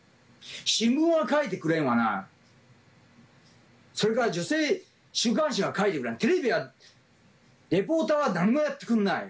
新聞は書いてくれんわな、それから女性週刊誌は書いてくれん、テレビは、レポーターは何もやってくんない。